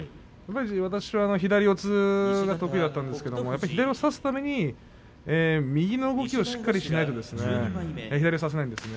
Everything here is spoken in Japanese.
私は左四つが得意だったんですが左を差すために右の動きをしっかりしないと左は差せないですね。